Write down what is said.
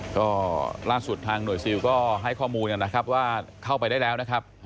ก็ล่าสุดทางหน่วยซิลก็ให้ข้อมูลกันนะครับว่าเข้าไปได้แล้วนะครับ